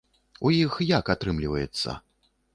У іх як атрымліваецца?